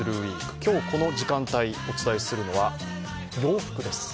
今日この時間帯お伝えするのは洋服です。